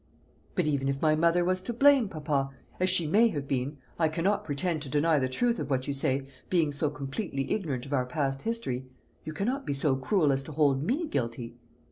"But even if my mother was to blame, papa as she may have been I cannot pretend to deny the truth of what you say, being so completely ignorant of our past history you cannot be so cruel as to hold me guilty?"